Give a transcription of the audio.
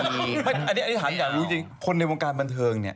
อันนี้ถามอยากรู้จริงคนในวงการบันเทิงเนี่ย